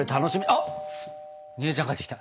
あっ姉ちゃん帰ってきた！